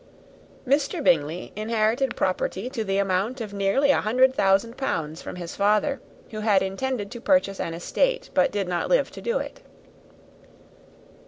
Mr. Bingley inherited property to the amount of nearly a hundred thousand pounds from his father, who had intended to purchase an estate, but did not live to do it.